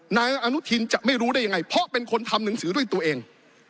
นายอนุทินจะไม่รู้ได้ยังไงเพราะเป็นคนทำหนังสือด้วยตัวเอง